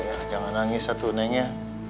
jangan nangis satu neneknya